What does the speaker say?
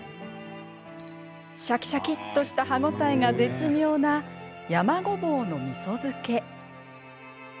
シャキシャキっとした歯応えが絶妙な、山ごぼうのみそ漬け。